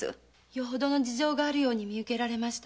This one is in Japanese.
よほどの事情があるように見受けられました。